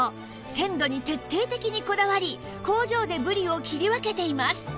鮮度に徹底的にこだわり工場でぶりを切り分けています